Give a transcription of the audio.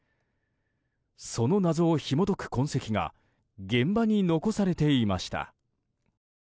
その謎をひも解く痕跡が現場に残されていました。